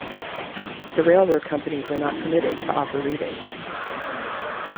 The railroad companies were not permitted to offer rebates.